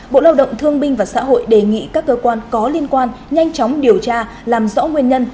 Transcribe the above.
bộ lao động thương binh và xã hội đề nghị các cơ quan có liên quan nhanh chóng điều tra làm rõ nguyên nhân